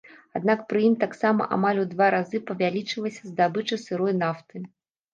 Аднак пры ім таксама амаль у два разы павялічылася здабыча сырой нафты.